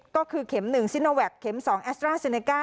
ก็คือเข็มหนึ่งซินโนแวคเข็มสองแอสเตราซิเนก้า